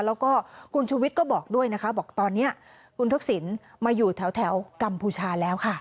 แล้วก็คุณชูวิทย์ก็บอกด้วยนะคะบอกตอนนี้คุณทักษิณมาอยู่แถวกัมพูชาแล้วค่ะ